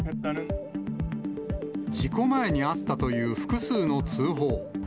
事故前にあったという複数の通報。